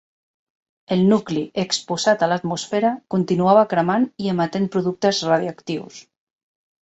El nucli, exposat a l'atmosfera, continuava cremant i emetent productes radioactius.